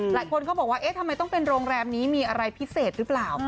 หลายคนเขาบอกว่าเอ๊ะทำไมต้องเป็นโรงแรมนี้มีอะไรพิเศษหรือเปล่า